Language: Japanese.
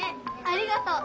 ありがとう。